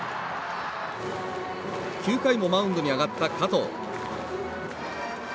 ９回もマウンドに上がった加藤。